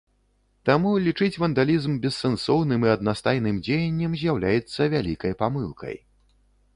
Таму лічыць вандалізм бессэнсоўным і аднастайным дзеяннем з'яўляецца вялікай памылкай.